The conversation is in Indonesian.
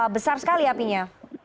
besar sekali apinya